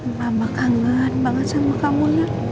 mama kangen banget sama kamu